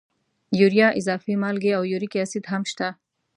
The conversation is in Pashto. یوریا، اضافي مالګې او یوریک اسید هم شته.